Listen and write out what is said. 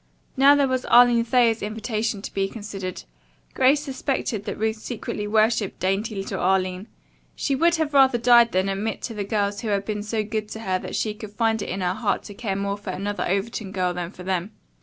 Now, there was Arline Thayer's invitation to be considered. Grace suspected that Ruth secretly worshipped dainty little Arline. She would have died rather than admit to the girls who had been so good to her that she could find it in her heart to care more for another Overton girl than for them.